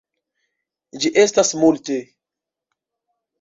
Ĝi estas multe.